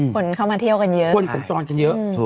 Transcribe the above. คนเข้ามาเที่ยวกันเยอะ